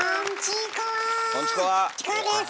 チコです！